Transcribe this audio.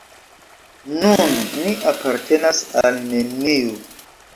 Nun ni apartenas al neniu.